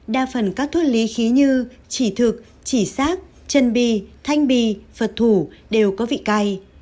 đa phần các thuốc lý khí như chỉ thực chỉ sát chân bi thanh bi vật thủ đều có vị cay